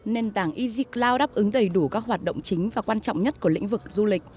nền tảng easycloud đáp ứng đầy đủ các hoạt động chính và quan trọng nhất của lĩnh vực du lịch